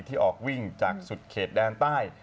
ออกวิ่งจากสุดเขตแดนใต้